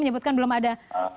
menyebutkan belum ada